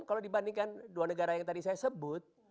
kalau dibandingkan dua negara yang tadi saya sebut